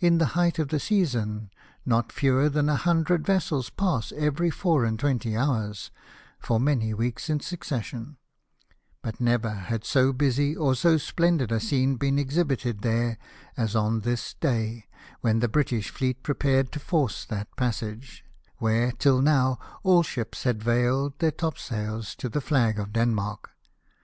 In the height of the season not fewer than a hundred vessels pass every four and twenty hours, for many weeks m succession ; but never had so busy or so splendid a scene been exhibited there as on this day, when the British fleet prepared to force that passage, where, till now, all ships had vailed their top sails to the flag of Denmark.